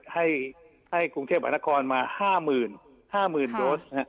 ให้กรุงเทพธรรมนครมา๕หมื่นรถ